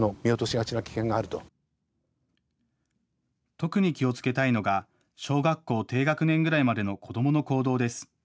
特に気をつけたいのが小学校低学年くらいまでの子どもの行動です。